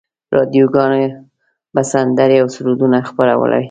راډیوګانو به سندرې او سرودونه خپرولې.